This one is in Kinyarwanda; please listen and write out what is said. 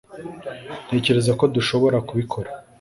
ntekereza ko dushobora kubikora